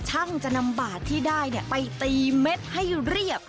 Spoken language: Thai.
ช่างจะนำบาดที่ได้ไปตีเม็ดให้เรียบ